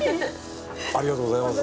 ありがとうございます。